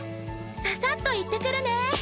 ササッと行ってくるね！